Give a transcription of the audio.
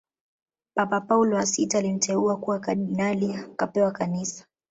Papa Paulo wa sita alimteua kuwa kardinali akapewa kanisa